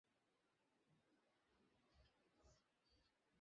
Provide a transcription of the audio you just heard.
রাত সাড়ে তিনটার দিকে তা বেড়ে যায়।